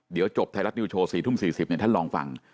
เดี๋ยวจบไทยรัฐนิวโชว์๔ทุ่ม๔๐ท่านลองฟัง